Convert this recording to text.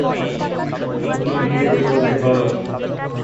তুমি ইংরাজি বলতে পার?